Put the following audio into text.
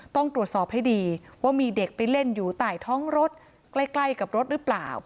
ต้องตรวจสอบให้ดีว่ามีเด็กไปเล่นอยู่ใต้ท้องรถใกล้กับรถหรือเปล่า